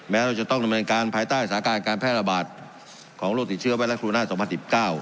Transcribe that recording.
แม้เราจะต้องดำเนินการภายใต้สถาบันการณ์แพร่ระบาดของโรคติเชื้อไวรัสโคโรนาต๒๐๑๙